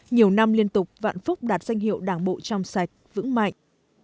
nhiều năm liên tục vạn phúc đạt danh hiệu đảng bộ trong sạch vững mạnh